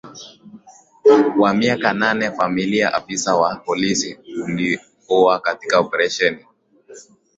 wa miaka nane FamiliaAfisa wa polisi aliuawa katika operesheni